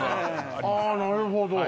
あなるほど。